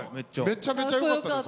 めちゃめちゃよかったです。